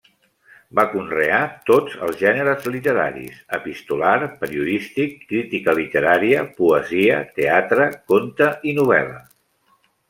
Va conrear tots els gèneres literaris: epistolar, periodístic, crítica literària, poesia, teatre, conte i novel·la.